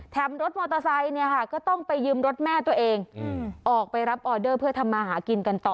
รถมอเตอร์ไซค์เนี่ยค่ะก็ต้องไปยืมรถแม่ตัวเองออกไปรับออเดอร์เพื่อทำมาหากินกันต่อ